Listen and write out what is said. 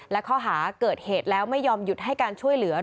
และข้อหาเกิดเหตุแล้วไม่ยอมหยุดให้การช่วยเหลือ